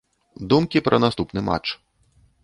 Думкі пра наступны матч.